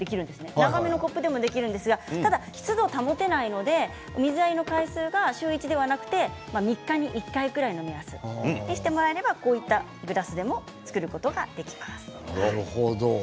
長めのコップでもできますが湿度を保つことができないので水やりの回数は週１ではなく３日に１回くらい目安にしていただければこういったグラスでも作ることができます。